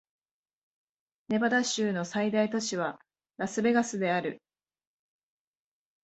ネバダ州の最大都市はラスベガスである